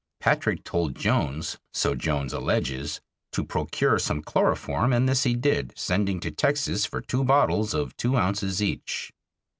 Patrick told Jones, so Jones alleges, to procure some chloroform and this he did, sending to Texas for two bottles of two ounces each.